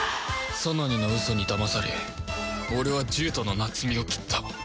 ソノニの嘘にだまされ俺は獣人の夏美を斬った